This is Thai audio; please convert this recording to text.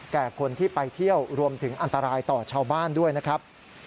แก่คนที่ไปเที่ยวรวมถึงอันตรายต่อชาวบ้านด้วยนะครับ